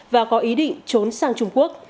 và có ý định trốn sang trung quốc